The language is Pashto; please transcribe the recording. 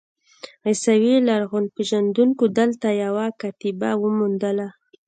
عیسوي لرغونپېژندونکو دلته یوه کتیبه وموندله.